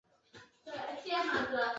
传世的作品也仅有残篇。